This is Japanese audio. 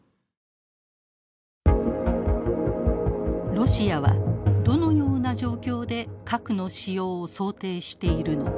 ロシアはどのような状況で核の使用を想定しているのか。